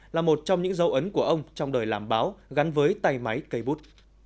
là một trong những dấu ấn của ông trong đời làm báo gắn với tay máy cây bút